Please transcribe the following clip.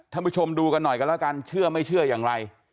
ท่านผู้ชมดูกันหน่อยกันแล้วกันเชื่อไม่เชื่ออย่างไร